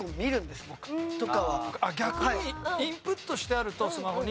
あっ逆にインプットしてあるとスマホに。